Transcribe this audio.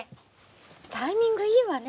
タイミングいいわね。